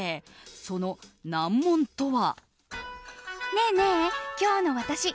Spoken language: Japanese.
その難問とは。